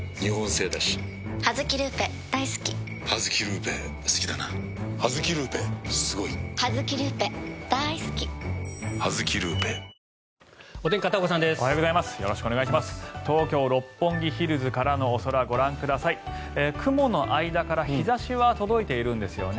雲の間から日差しは届いているんですよね。